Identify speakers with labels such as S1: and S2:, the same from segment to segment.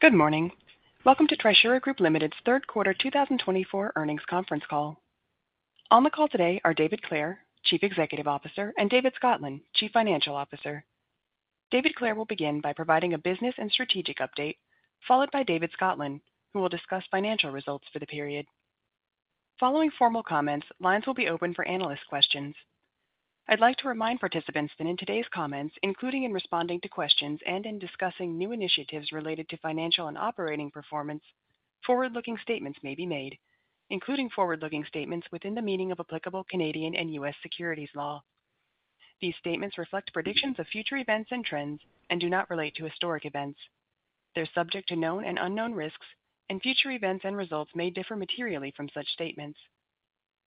S1: Good morning. Welcome to Trisura Group Limited's Third Quarter 2024 Earnings Conference Call. On the call today are David Clare, Chief Executive Officer, and David Scotland, Chief Financial Officer. David Clare will begin by providing a business and strategic update, followed by David Scotland, who will discuss financial results for the period. Following formal comments, lines will be open for analyst questions. I'd like to remind participants that in today's comments, including in responding to questions and in discussing new initiatives related to financial and operating performance, forward-looking statements may be made, including forward-looking statements within the meaning of applicable Canadian and U.S. securities law. These statements reflect predictions of future events and trends and do not relate to historic events. They're subject to known and unknown risks, and future events and results may differ materially from such statements.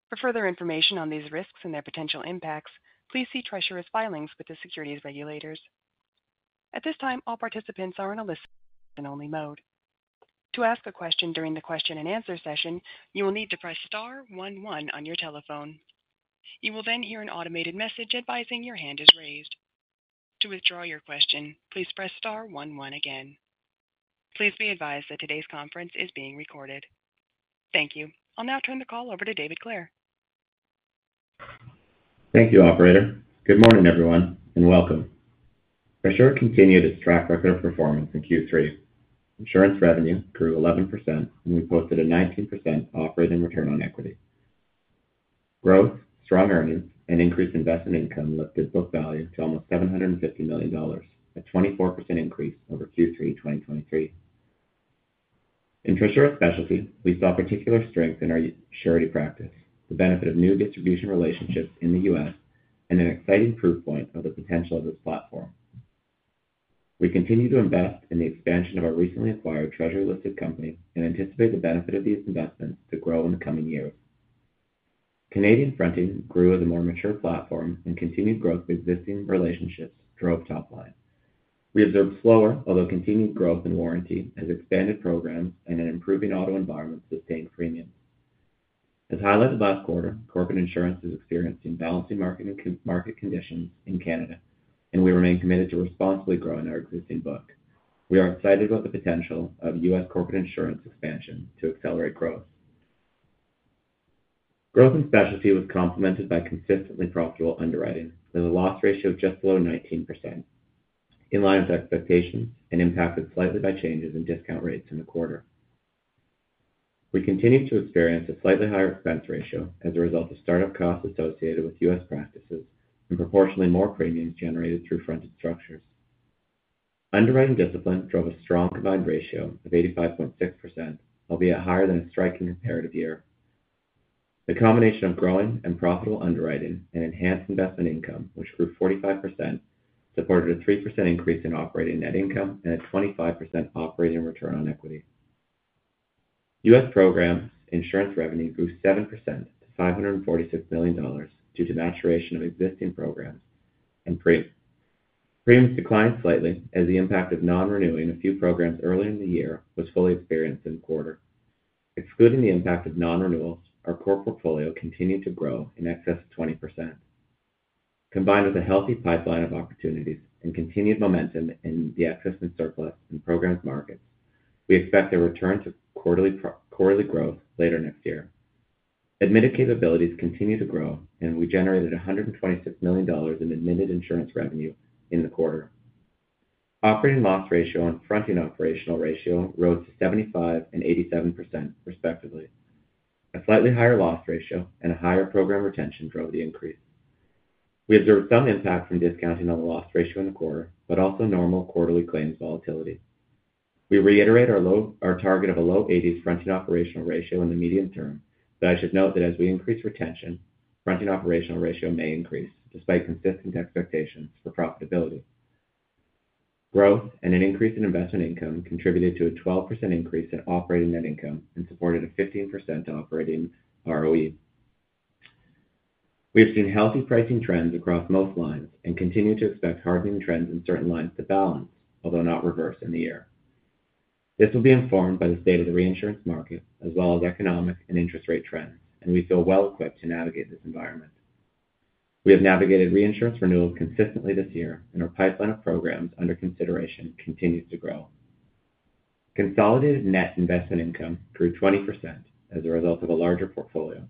S1: For further information on these risks and their potential impacts, please see Trisura's filings with the securities regulators. At this time, all participants are in a listen-only mode. To ask a question during the question-and-answer session, you will need to press star one one on your telephone. You will then hear an automated message advising your hand is raised. To withdraw your question, please press star one one again. Please be advised that today's conference is being recorded. Thank you. I'll now turn the call over to David Clare.
S2: Thank you, Operator. Good morning, everyone, and welcome. Trisura continued its track record of performance in Q3. Insurance revenue grew 11%, and we posted a 19% operating return on equity. Growth, strong earnings, and increased investment income lifted book value to almost 750 million dollars, a 24% increase over Q3 2023. In Trisura Specialty, we saw particular strength in our surety practice, the benefit of new distribution relationships in the U.S., and an exciting proof point of the potential of this platform. We continue to invest in the expansion of our recently acquired Treasury-listed company and anticipate the benefit of these investments to grow in the coming years. Canadian Fronting grew as a more mature platform, and continued growth of existing relationships drove top line. We observed slower, although continued growth in warranty as expanded programs and an improving auto environment sustained premiums. As highlighted last quarter, Corporate Insurance is experiencing balanced market conditions in Canada, and we remain committed to responsibly growing our existing book. We are excited about the potential of U.S. Corporate Insurance expansion to accelerate growth. Growth in specialty was complemented by consistently profitable underwriting with a loss ratio just below 19%, in line with expectations and impacted slightly by changes in discount rates in the quarter. We continued to experience a slightly higher expense ratio as a result of startup costs associated with U.S. practices and proportionally more premiums generated through fronting structures. Underwriting discipline drove a strong combined ratio of 85.6%, albeit higher than a strong comparative year. The combination of growing and profitable underwriting and enhanced investment income, which grew 45%, supported a 3% increase in operating net income and a 25% operating return on equity. U.S. Program insurance revenue grew 7% to $546 million due to maturation of existing programs and premiums. Premiums declined slightly as the impact of non-renewing a few programs early in the year was fully experienced in the quarter. Excluding the impact of non-renewals, our core portfolio continued to grow in excess of 20%. Combined with a healthy pipeline of opportunities and continued momentum in the Excess and Surplus in program markets, we expect a return to quarterly growth later next year. Admitted capabilities continue to grow, and we generated $126 million in admitted insurance revenue in the quarter. Operating loss ratio and Fronting Operational Ratio rose to 75% and 87%, respectively. A slightly higher loss ratio and a higher program retention drove the increase. We observed some impact from discounting on the loss ratio in the quarter, but also normal quarterly claims volatility. We reiterate our target of a low 80s Fronting Operational ratio in the medium term, but I should note that as we increase retention, Fronting Operational ratio may increase despite consistent expectations for profitability. Growth and an increase in investment income contributed to a 12% increase in operating net income and supported a 15% operating ROE. We have seen healthy pricing trends across most lines and continue to expect hardening trends in certain lines to balance, although not reverse in the year. This will be informed by the state of the reinsurance market as well as economic and interest rate trends, and we feel well-equipped to navigate this environment. We have navigated reinsurance renewal consistently this year, and our pipeline of programs under consideration continues to grow. Consolidated net investment income grew 20% as a result of a larger portfolio.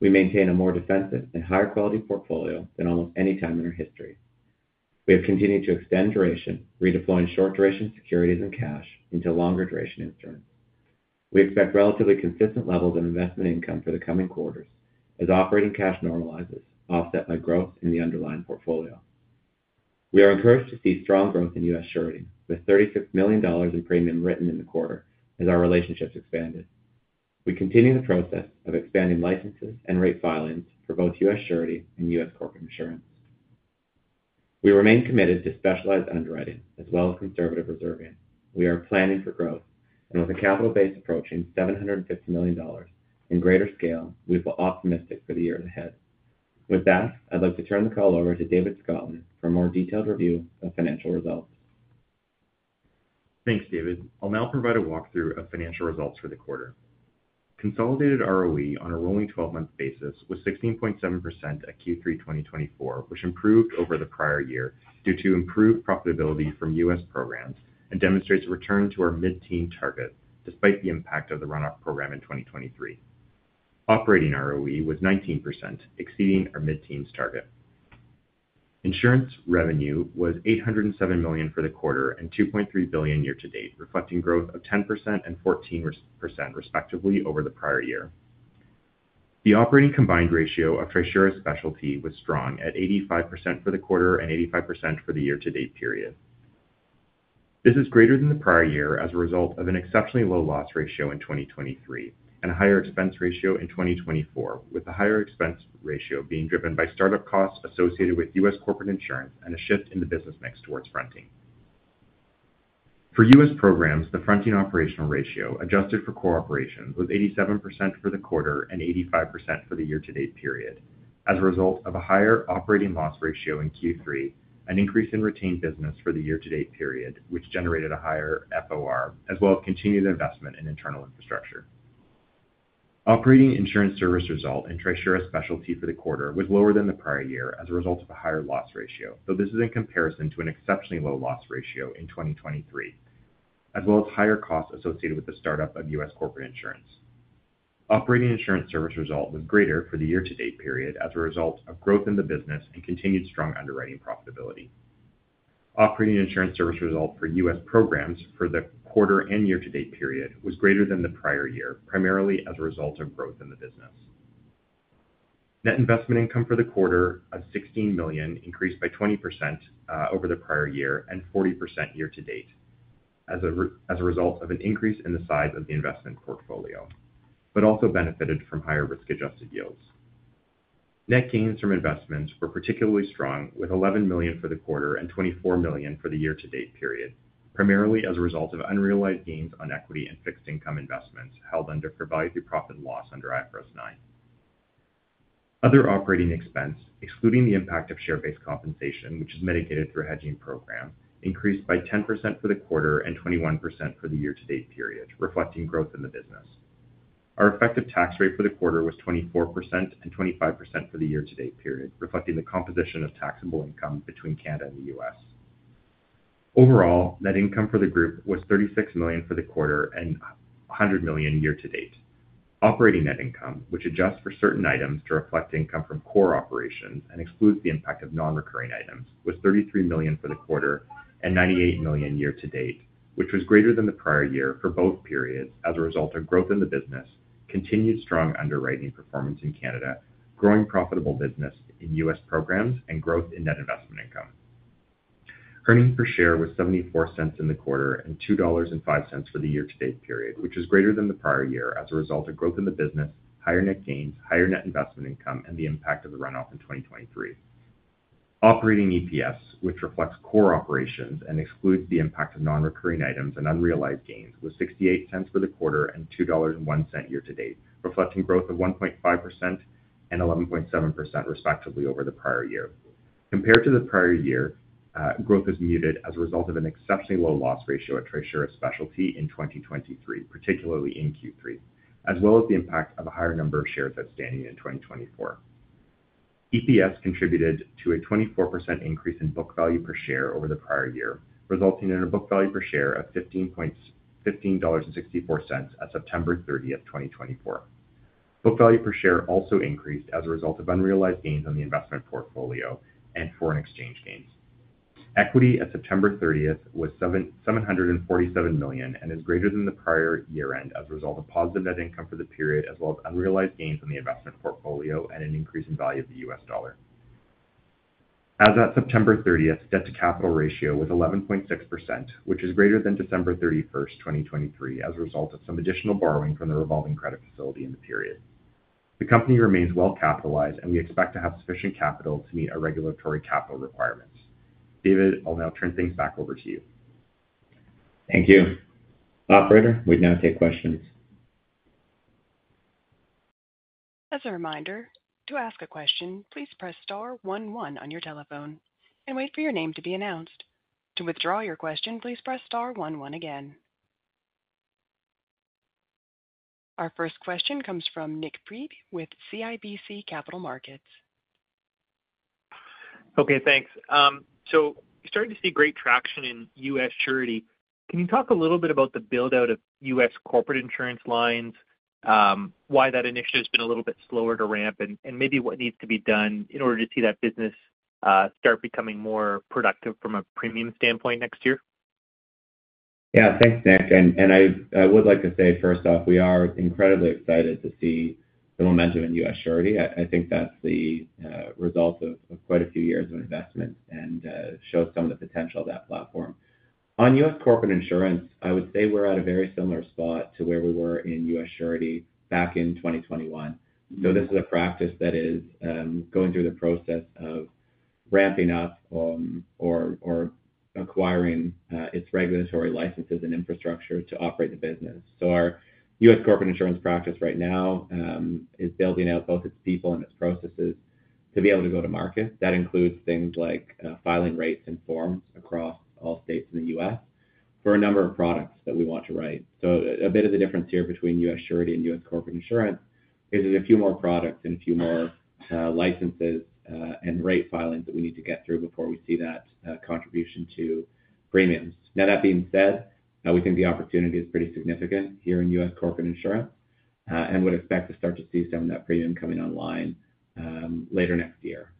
S2: We maintain a more defensive and higher quality portfolio than almost any time in our history. We have continued to extend duration, redeploying short duration securities and cash into longer duration instruments. We expect relatively consistent levels of investment income for the coming quarters as operating cash normalizes, offset by growth in the underlying portfolio. We are encouraged to see strong growth in U.S. Surety, with $36 million in premium written in the quarter as our relationships expanded. We continue the process of expanding licenses and rate filings for both U.S. Surety and U.S. Corporate Insurance. We remain committed to specialized underwriting as well as conservative reserving. We are planning for growth, and with a capital base approaching $750 million in greater scale, we feel optimistic for the years ahead. With that, I'd like to turn the call over to David Scotland for a more detailed review of financial results.
S3: Thanks, David. I'll now provide a walkthrough of financial results for the quarter. Consolidated ROE on a rolling 12-month basis was 16.7% at Q3 2024, which improved over the prior year due to improved profitability from U.S. Programs and demonstrates a return to our mid-teens target despite the impact of the runoff program in 2023. Operating ROE was 19%, exceeding our mid-teens target. Insurance revenue was 807 million for the quarter and 2.3 billion year-to-date, reflecting growth of 10% and 14%, respectively, over the prior year. The operating combined ratio of Trisura Specialty was strong at 85% for the quarter and 85% for the year-to-date period. This is greater than the prior year as a result of an exceptionally low loss ratio in 2023 and a higher expense ratio in 2024, with the higher expense ratio being driven by startup costs associated with U.S. Corporate Insurance and a shift in the business mix towards Fronting. For U.S. Programs, the Fronting Operational Ratio, adjusted for core operations, was 87% for the quarter and 85% for the year-to-date period as a result of a higher operating loss ratio in Q3, an increase in retained business for the year-to-date period, which generated a higher FOR, as well as continued investment in internal infrastructure. Operating insurance service result in Trisura Specialty for the quarter was lower than the prior year as a result of a higher loss ratio, though this is in comparison to an exceptionally low loss ratio in 2023, as well as higher costs associated with the startup of U.S. Corporate Insurance. Operating insurance service result was greater for the year-to-date period as a result of growth in the business and continued strong underwriting profitability. Operating insurance service result for U.S. Programs for the quarter and year-to-date period was greater than the prior year, primarily as a result of growth in the business. Net investment income for the quarter of 16 million increased by 20% over the prior year and 40% year-to-date as a result of an increase in the size of the investment portfolio, but also benefited from higher risk-adjusted yields. Net gains from investments were particularly strong, with 11 million for the quarter and 24 million for the year-to-date period, primarily as a result of unrealized gains on equity and fixed income investments held at fair value through profit or loss under IFRS 9. Other operating expense, excluding the impact of share-based compensation, which is mitigated through a hedging program, increased by 10% for the quarter and 21% for the year-to-date period, reflecting growth in the business. Our effective tax rate for the quarter was 24% and 25% for the year-to-date period, reflecting the composition of taxable income between Canada and the U.S. Overall, net income for the group was 36 million for the quarter and 100 million year-to-date. Operating net income, which adjusts for certain items to reflect income from core operations and excludes the impact of non-recurring items, was 33 million for the quarter and 98 million year-to-date, which was greater than the prior year for both periods as a result of growth in the business, continued strong underwriting performance in Canada, growing profitable business in U.S. Programs, and growth in net investment income. Earnings per share was 0.74 in the quarter and 2.05 dollars for the year-to-date period, which was greater than the prior year as a result of growth in the business, higher net gains, higher net investment income, and the impact of the runoff in 2023. Operating EPS, which reflects core operations and excludes the impact of non-recurring items and unrealized gains, was 0.68 for the quarter and 2.01 dollars year-to-date, reflecting growth of 1.5% and 11.7%, respectively, over the prior year. Compared to the prior year, growth is muted as a result of an exceptionally low loss ratio at Trisura Specialty in 2023, particularly in Q3, as well as the impact of a higher number of shares outstanding in 2024. EPS contributed to a 24% increase in book value per share over the prior year, resulting in a book value per share of 15.64 dollars at September 30, 2024. Book value per share also increased as a result of unrealized gains on the investment portfolio and foreign exchange gains. Equity at September 30 was 747 million and is greater than the prior year-end as a result of positive net income for the period, as well as unrealized gains on the investment portfolio and an increase in value of the U.S. dollar. As of September 30, debt-to-capital ratio was 11.6%, which is greater than December 31, 2023, as a result of some additional borrowing from the revolving credit facility in the period. The company remains well-capitalized, and we expect to have sufficient capital to meet our regulatory capital requirements. David, I'll now turn things back over to you.
S2: Thank you. Operator, we now take questions.
S1: As a reminder, to ask a question, please press star one one on your telephone and wait for your name to be announced. To withdraw your question, please press star 11 again. Our first question comes from Nik Priebe with CIBC Capital Markets.
S4: Okay, thanks. So we started to see great traction in U.S. Surety. Can you talk a little bit about the build-out of U.S. Corporate Insurance lines, why that initiative has been a little bit slower to ramp, and maybe what needs to be done in order to see that business start becoming more productive from a premium standpoint next year?
S2: Yeah, thanks, Nik. And I would like to say, first off, we are incredibly excited to see the momentum in U.S. Surety. I think that's the result of quite a few years of investment and shows some of the potential of that platform. On U.S. Corporate Insurance, I would say we're at a very similar spot to where we were in U.S. Surety back in 2021. So this is a practice that is going through the process of ramping up or acquiring its regulatory licenses and infrastructure to operate the business. So our U.S. Corporate Insurance practice right now is building out both its people and its processes to be able to go to market. That includes things like filing rates and forms across all states in the U.S. for a number of products that we want to write. So a bit of the difference here between U.S. Surety and U.S. Corporate Insurance is there's a few more products and a few more licenses and rate filings that we need to get through before we see that contribution to premiums. Now, that being said, we think the opportunity is pretty significant here in U.S. Corporate Insurance and would expect to start to see some of that premium coming online later next year.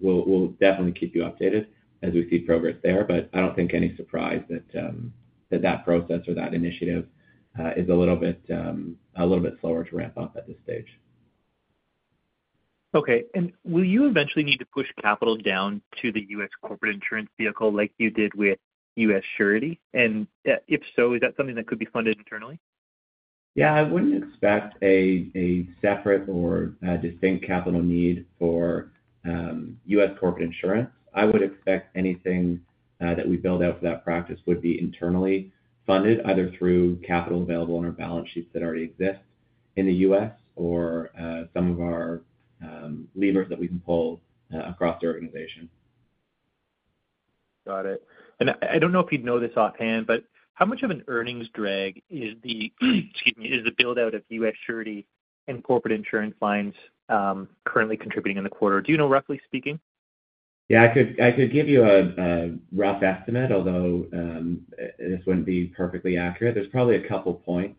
S2: We'll definitely keep you updated as we see progress there, but I don't think any surprise that that process or that initiative is a little bit slower to ramp up at this stage.
S4: Okay. And will you eventually need to push capital down to the U.S. Corporate Insurance vehicle like you did with U.S. Surety? And if so, is that something that could be funded internally?
S2: Yeah, I wouldn't expect a separate or distinct capital need for U.S. Corporate Insurance. I would expect anything that we build out for that practice would be internally funded, either through capital available on our balance sheets that already exist in the U.S. or some of our levers that we can pull across the organization.
S4: Got it, and I don't know if you'd know this offhand, but how much of an earnings drag is the build-out of U.S. Surety and Corporate Insurance lines currently contributing in the quarter? Do you know, roughly speaking?
S2: Yeah, I could give you a rough estimate, although this wouldn't be perfectly accurate. There's probably a couple points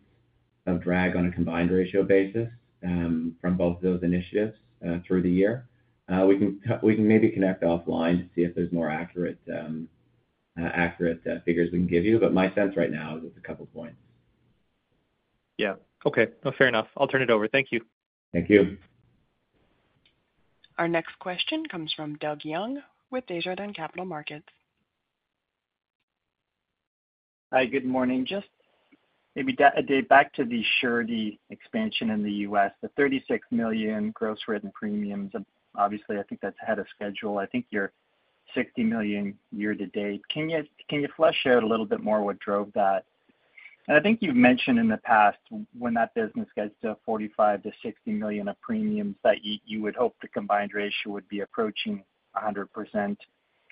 S2: of drag on a Combined Ratio basis from both of those initiatives through the year. We can maybe connect offline to see if there's more accurate figures we can give you, but my sense right now is it's a couple points.
S4: Yeah. Okay. Fair enough. I'll turn it over. Thank you.
S2: Thank you.
S1: Our next question comes from Doug Young with Desjardins Capital Markets.
S5: Hi, good morning. Just maybe a day back to the surety expansion in the U.S., the $36 million gross written premiums, obviously, I think that's ahead of schedule. I think you're $60 million year-to-date. Can you flesh out a little bit more what drove that? And I think you've mentioned in the past when that business gets to $45-$60 million of premiums that you would hope the combined ratio would be approaching 100%.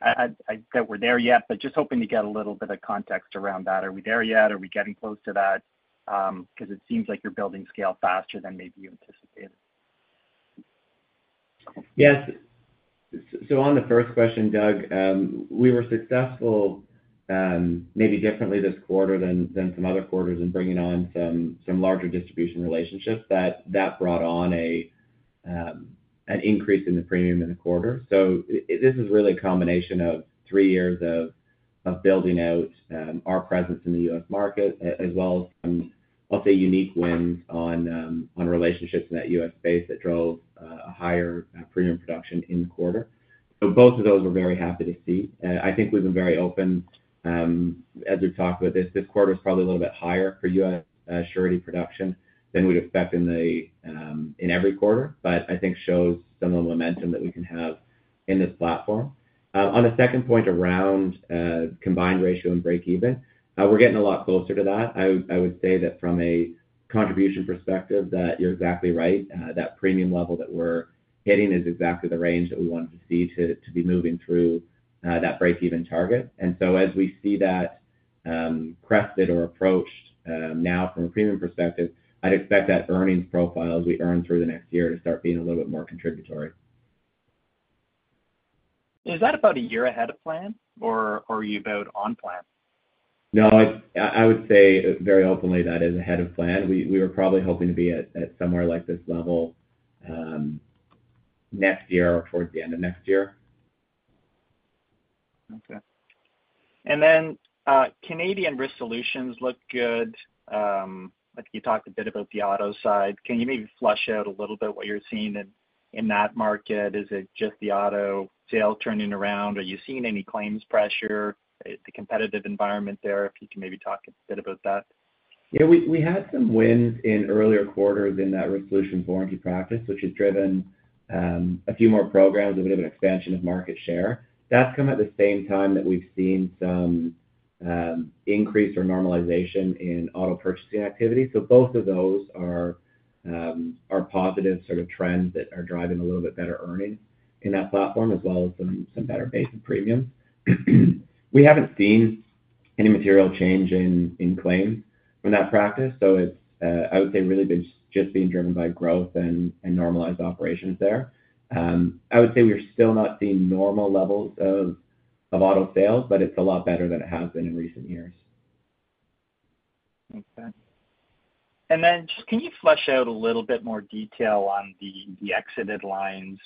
S5: I don't think we're there yet, but just hoping to get a little bit of context around that. Are we there yet? Are we getting close to that? Because it seems like you're building scale faster than maybe you anticipated.
S2: Yes, so on the first question, Doug, we were successful maybe differently this quarter than some other quarters in bringing on some larger distribution relationships that brought on an increase in the premium in the quarter, so this is really a combination of three years of building out our presence in the U.S. market, as well as, I'll say, unique wins on relationships in that U.S. space that drove a higher premium production in the quarter, so both of those were very happy to see. I think we've been very open as we've talked about this. This quarter is probably a little bit higher for U.S. Surety production than we'd expect in every quarter, but I think shows some of the momentum that we can have in this platform. On the second point around combined ratio and break-even, we're getting a lot closer to that. I would say that from a contribution perspective, that you're exactly right. That premium level that we're hitting is exactly the range that we wanted to see to be moving through that break-even target. And so as we see that crested or approached now from a premium perspective, I'd expect that earnings profile as we earn through the next year to start being a little bit more contributory.
S5: Is that about a year ahead of plan, or are you about on plan?
S2: No, I would say very openly that is ahead of plan. We were probably hoping to be at somewhere like this level next year or towards the end of next year.
S5: Okay. Then Canadian Risk Solutions look good. I think you talked a bit about the auto side. Can you maybe flesh out a little bit what you're seeing in that market? Is it just the auto sale turning around? Are you seeing any claims pressure, the competitive environment there? If you can maybe talk a bit about that.
S2: Yeah, we had some wins in earlier quarters in that Risk Solutions warranty practice, which has driven a few more programs and a bit of an expansion of market share. That's come at the same time that we've seen some increase or normalization in auto purchasing activity. So both of those are positive sort of trends that are driving a little bit better earnings in that platform, as well as some better base of premiums. We haven't seen any material change in claims from that practice. So it's, I would say, really just being driven by growth and normalized operations there. I would say we're still not seeing normal levels of auto sales, but it's a lot better than it has been in recent years.
S5: Okay. And then just can you flesh out a little bit more detail on the exited lines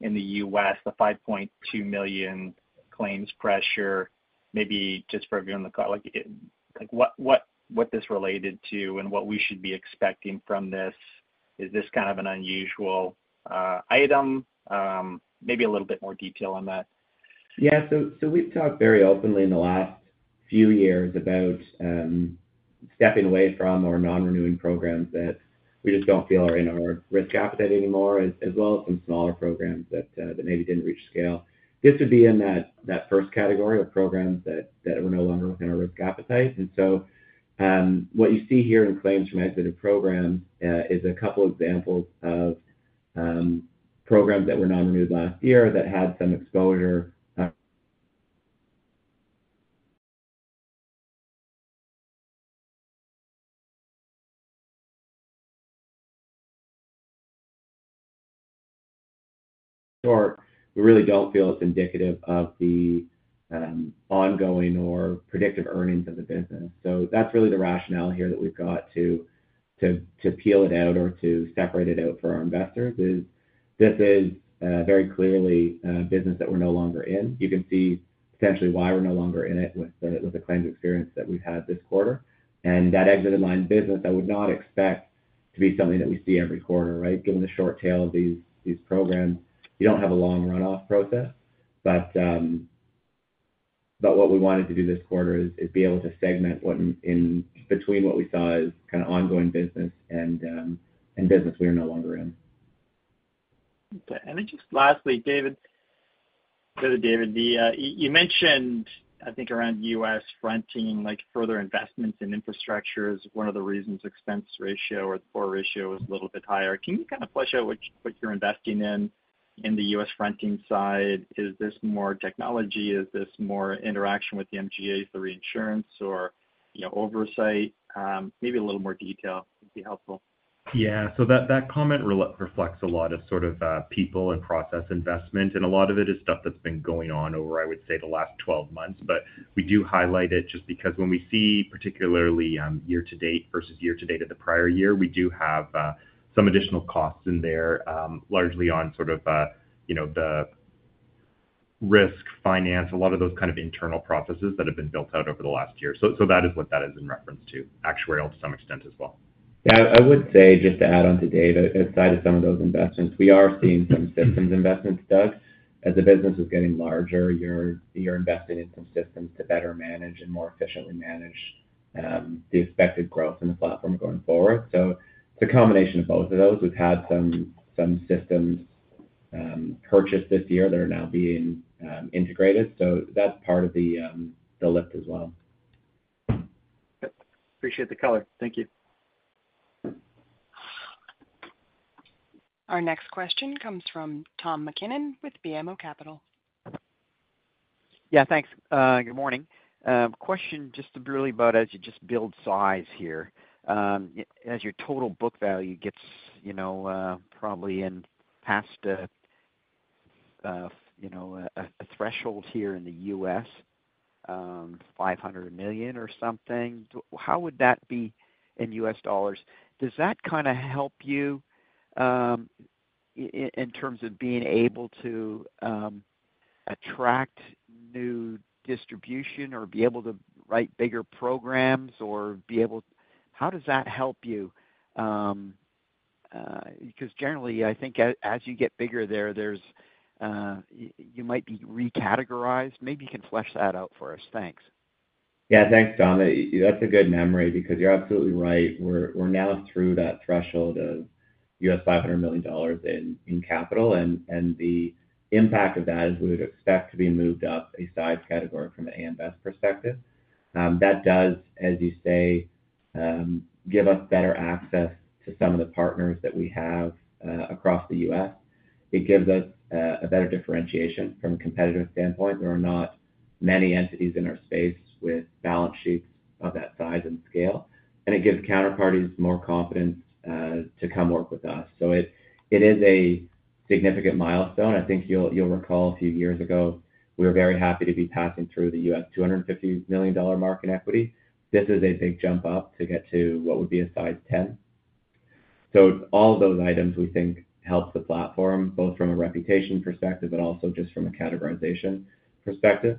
S5: in the U.S., the $5.2 million claims pressure, maybe just for everyone to kind of like what this related to and what we should be expecting from this? Is this kind of an unusual item? Maybe a little bit more detail on that.
S2: Yeah. So we've talked very openly in the last few years about stepping away from our non-renewing programs that we just don't feel are in our risk appetite anymore, as well as some smaller programs that maybe didn't reach scale. This would be in that first category of programs that were no longer within our risk appetite. And so what you see here in claims from exited programs is a couple of examples of programs that were non-renewed last year that had some exposure. In short, we really don't feel it's indicative of the ongoing or predictive earnings of the business. So that's really the rationale here that we've got to peel it out or to separate it out for our investors is this is very clearly a business that we're no longer in. You can see potentially why we're no longer in it with the claims experience that we've had this quarter. And that exited line business, I would not expect to be something that we see every quarter, right? Given the short tail of these programs, you don't have a long runoff process. But what we wanted to do this quarter is be able to segment between what we saw as kind of ongoing business and business we are no longer in.
S5: Okay. And then just lastly, David, you mentioned, I think, around U.S. fronting, like further investments in infrastructure is one of the reasons expense ratio or the fronting ratio was a little bit higher. Can you kind of flesh out what you're investing in the U.S. fronting side? Is this more technology? Is this more interaction with the MGAs, the reinsurance, or oversight? Maybe a little more detail would be helpful.
S2: Yeah. So that comment reflects a lot of sort of people and process investment. A lot of it is stuff that's been going on over, I would say, the last 12 months. But we do highlight it just because when we see particularly year-to-date versus year-to-date of the prior year, we do have some additional costs in there, largely on sort of the risk finance, a lot of those kind of internal processes that have been built out over the last year. So that is what that is in reference to, actuarial to some extent as well.
S3: Yeah, I would say just to add on to David, outside of some of those investments, we are seeing some systems investments, Doug. As the business is getting larger, you're investing in some systems to better manage and more efficiently manage the expected growth in the platform going forward. So it's a combination of both of those. We've had some systems purchased this year that are now being integrated. So that's part of the lift as well.
S5: Appreciate the color. Thank you.
S1: Our next question comes from Tom MacKinnon with BMO Capital.
S6: Yeah, thanks. Good morning. Question just really about as you just build size here, as your total book value gets probably in past a threshold here in the U.S., $500 million or something, how would that be in U.S. dollars? Does that kind of help you in terms of being able to attract new distribution or be able to write bigger programs or be able—how does that help you? Because generally, I think as you get bigger there, you might be recategorized. Maybe you can flesh that out for us. Thanks.
S2: Yeah, thanks, Tom. That's a good memory because you're absolutely right. We're now through that threshold of U.S. $500 million in capital. And the impact of that is we would expect to be moved up a size category from an AM Best perspective. That does, as you say, give us better access to some of the partners that we have across the U.S. It gives us a better differentiation from a competitive standpoint. There are not many entities in our space with balance sheets of that size and scale. And it gives counterparties more confidence to come work with us. So it is a significant milestone. I think you'll recall a few years ago, we were very happy to be passing through the U.S. $250 million mark in equity. This is a big jump up to get to what would be a Size 10. So all of those items we think help the platform, both from a reputation perspective and also just from a categorization perspective.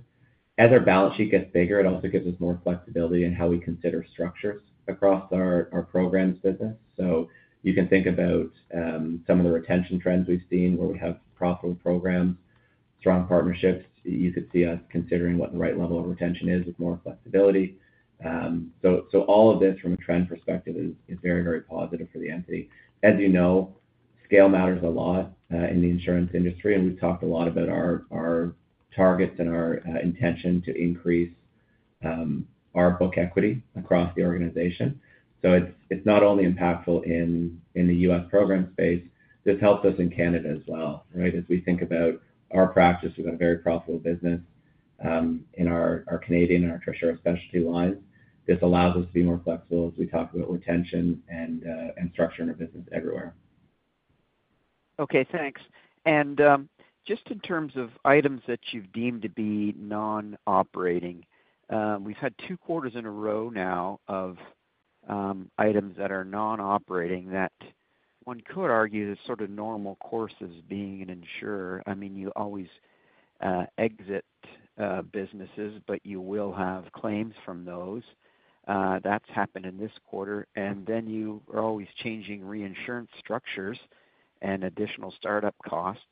S2: As our balance sheet gets bigger, it also gives us more flexibility in how we consider structures across our programs business. So you can think about some of the retention trends we've seen where we have profitable programs, strong partnerships. You could see us considering what the right level of retention is with more flexibility. So all of this from a trend perspective is very, very positive for the entity. As you know, scale matters a lot in the insurance industry. And we've talked a lot about our targets and our intention to increase our book equity across the organization. So it's not only impactful in the U.S. Program space. This helps us in Canada as well, right? As we think about our practice, we've got a very profitable business in our Canadian and our Trisura Specialty lines. This allows us to be more flexible as we talk about retention and structure in our business everywhere.
S6: Okay. Thanks. And just in terms of items that you've deemed to be non-operating, we've had two quarters in a row now of items that are non-operating that one could argue is sort of normal courses being an insurer. I mean, you always exit businesses, but you will have claims from those. That's happened in this quarter. And then you are always changing reinsurance structures and additional startup costs.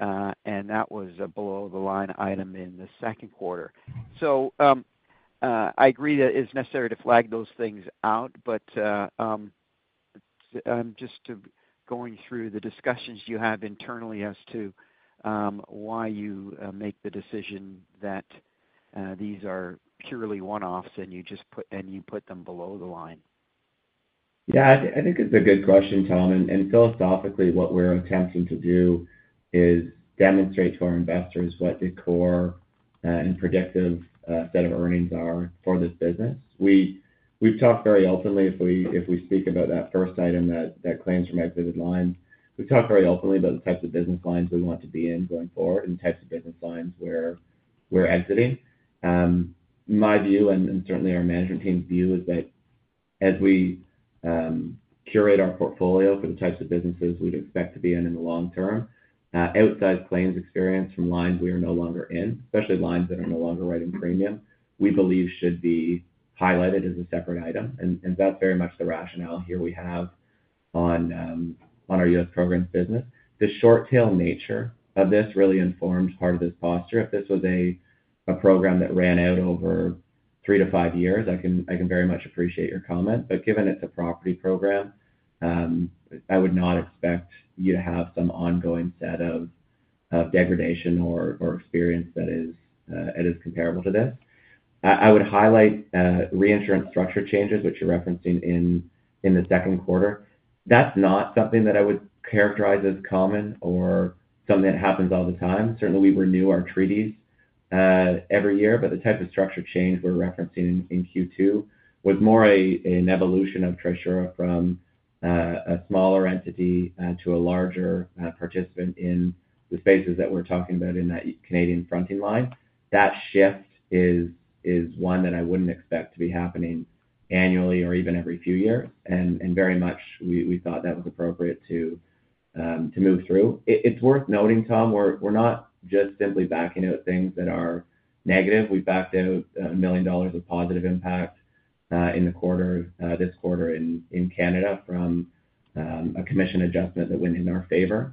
S6: And that was a below-the-line item in the second quarter. So I agree that it's necessary to flag those things out. But just going through the discussions you have internally as to why you make the decision that these are purely one-offs and you put them below the line.
S2: Yeah. I think it's a good question, Tom. And philosophically, what we're attempting to do is demonstrate to our investors what the core and predictive set of earnings are for this business. We've talked very openly if we speak about that first item that claims from exited lines. We've talked very openly about the types of business lines we want to be in going forward and the types of business lines where we're exiting. My view, and certainly our management team's view, is that as we curate our portfolio for the types of businesses we'd expect to be in in the long term, outside claims experience from lines we are no longer in, especially lines that are no longer writing premium, we believe should be highlighted as a separate item. And that's very much the rationale here we have on our U.S. Programs business. The short tail nature of this really informs part of this posture. If this was a program that ran out over three to five years, I can very much appreciate your comment. But given it's a property program, I would not expect you to have some ongoing set of degradation or experience that is comparable to this. I would highlight reinsurance structure changes, which you're referencing in the second quarter. That's not something that I would characterize as common or something that happens all the time. Certainly, we renew our treaties every year. But the type of structure change we're referencing in Q2 was more an evolution of Trisura from a smaller entity to a larger participant in the spaces that we're talking about in that Canadian fronting line. That shift is one that I wouldn't expect to be happening annually or even every few years. Very much we thought that was appropriate to move through. It's worth noting, Tom, we're not just simply backing out things that are negative. We backed out $1 million of positive impact in the quarter, this quarter in Canada from a commission adjustment that went in our favor.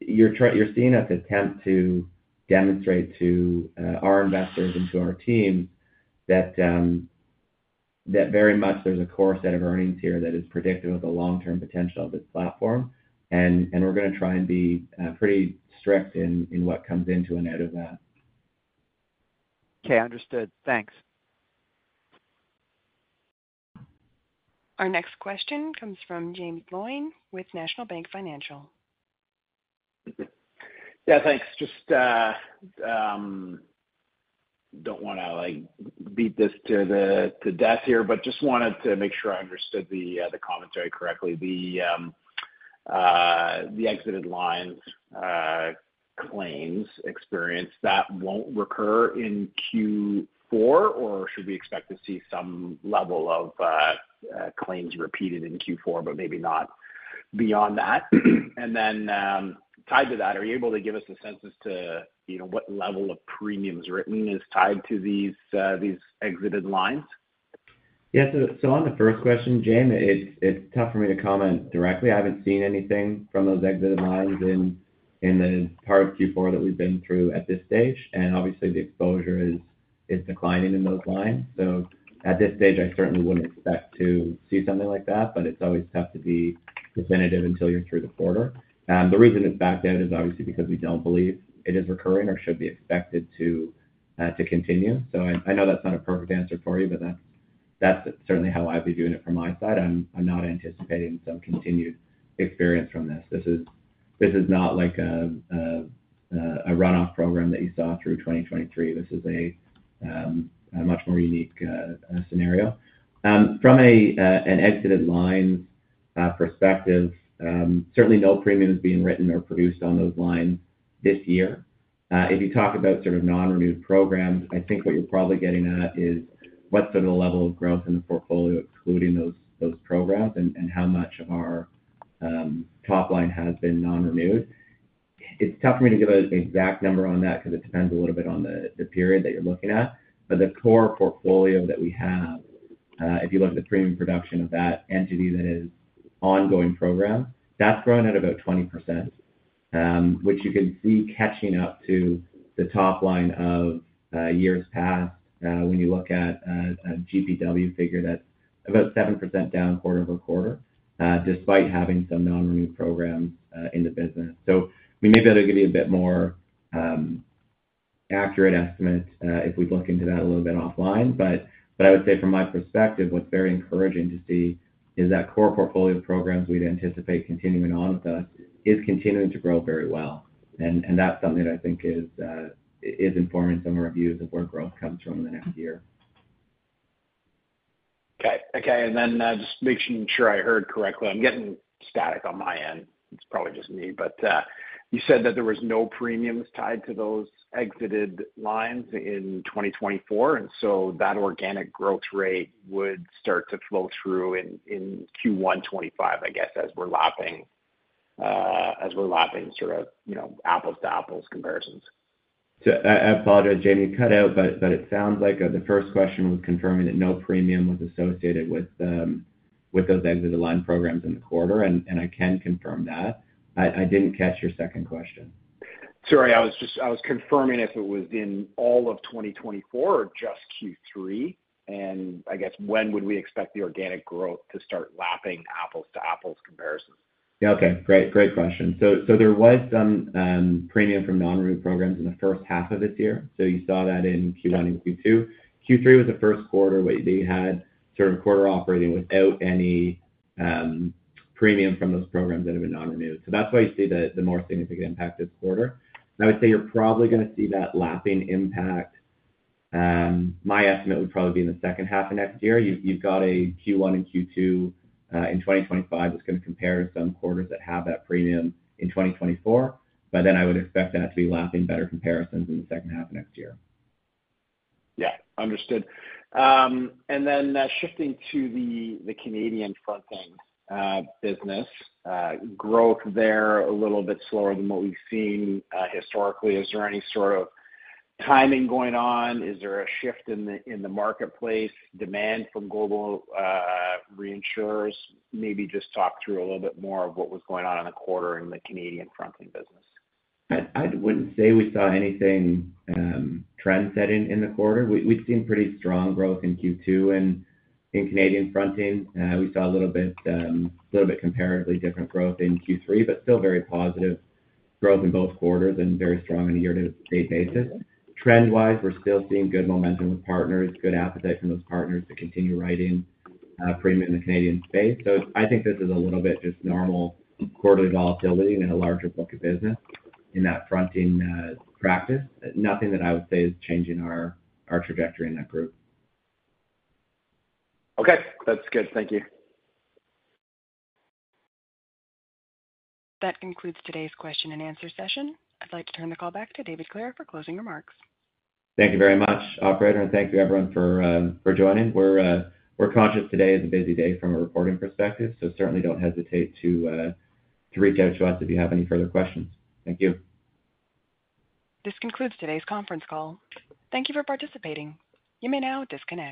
S2: You're seeing us attempt to demonstrate to our investors and to our teams that very much there's a core set of earnings here that is predictive of the long-term potential of this platform. We're going to try and be pretty strict in what comes into and out of that.
S6: Okay. Understood. Thanks.
S1: Our next question comes from Jaeme Gloyn with National Bank Financial.
S7: Yeah. Thanks. Just don't want to beat this to death here, but just wanted to make sure I understood the commentary correctly. The exited lines claims experience, that won't recur in Q4, or should we expect to see some level of claims repeated in Q4, but maybe not beyond that? And then tied to that, are you able to give us a sense as to what level of premiums written is tied to these exited lines?
S2: Yeah. So on the first question, Jaeme, it's tough for me to comment directly. I haven't seen anything from those exited lines in the part of Q4 that we've been through at this stage. And obviously, the exposure is declining in those lines. So at this stage, I certainly wouldn't expect to see something like that. But it's always tough to be definitive until you're through the quarter. The reason it's backed out is obviously because we don't believe it is recurring or should be expected to continue. So I know that's not a perfect answer for you, but that's certainly how I've been viewing it from my side. I'm not anticipating some continued experience from this. This is not like a runoff program that you saw through 2023. This is a much more unique scenario. From an exited lines perspective, certainly no premiums being written or produced on those lines this year. If you talk about sort of non-renewed programs, I think what you're probably getting at is what's sort of the level of growth in the portfolio excluding those programs and how much of our top line has been non-renewed. It's tough for me to give an exact number on that because it depends a little bit on the period that you're looking at. But the core portfolio that we have, if you look at the premium production of that entity that is ongoing program, that's grown at about 20%, which you can see catching up to the top line of years past when you look at a GPW figure that's about 7% down quarter over quarter despite having some non-renewed programs in the business. So we may be able to give you a bit more accurate estimate if we look into that a little bit offline. But I would say from my perspective, what's very encouraging to see is that core portfolio programs we'd anticipate continuing on with us is continuing to grow very well. And that's something that I think is informing some of our views of where growth comes from in the next year.
S7: Okay. Okay, and then just making sure I heard correctly, I'm getting static on my end. It's probably just me. But you said that there was no premiums tied to those exited lines in 2024. And so that organic growth rate would start to flow through in Q1 2025, I guess, as we're lapping sort of apples to apples comparisons.
S2: I apologize, Jaeme. You cut out, but it sounds like the first question was confirming that no premium was associated with those exited line programs in the quarter. And I can confirm that. I didn't catch your second question.
S7: Sorry. I was confirming if it was in all of 2024 or just Q3. And I guess when would we expect the organic growth to start lapping apples to apples comparisons?
S2: Yeah. Okay. Great. Great question. So there was some premium from non-renewed programs in the first half of this year. So you saw that in Q1 and Q2. Q3 was the first quarter where they had sort of a quarter operating without any premium from those programs that have been non-renewed. So that's why you see the more significant impact this quarter. I would say you're probably going to see that lapping impact. My estimate would probably be in the second half of next year. You've got a Q1 and Q2 in 2025 that's going to compare to some quarters that have that premium in 2024. But then I would expect that to be lapping better comparisons in the second half of next year.
S7: Yeah. Understood. And then shifting to the Canadian Fronting business, growth there a little bit slower than what we've seen historically. Is there any sort of timing going on? Is there a shift in the marketplace demand from global reinsurers? Maybe just talk through a little bit more of what was going on in the quarter in the Canadian Fronting business.
S2: I wouldn't say we saw anything trendsetting in the quarter. We've seen pretty strong growth in Q2 in Canadian fronting. We saw a little bit comparatively different growth in Q3, but still very positive growth in both quarters and very strong on a year-to-date basis. Trend-wise, we're still seeing good momentum with partners, good appetite from those partners to continue writing premium in the Canadian space. So I think this is a little bit just normal quarterly volatility in a larger book of business in that fronting practice. Nothing that I would say is changing our trajectory in that group.
S7: Okay. That's good. Thank you.
S1: That concludes today's question and answer session. I'd like to turn the call back to David Clare for closing remarks.
S2: Thank you very much, Operator, and thank you, everyone, for joining. We're conscious today is a busy day from a reporting perspective, so certainly don't hesitate to reach out to us if you have any further questions. Thank you.
S1: This concludes today's conference call. Thank you for participating. You may now disconnect.